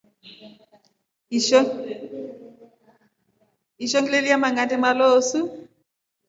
Ishoo nʼgielya mangʼande maloosu.